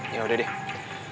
ya udah deh